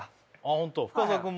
ホント深澤くんも？